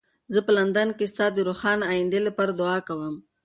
زه په لندن کې ستا د روښانه ایندې لپاره دعا کوم.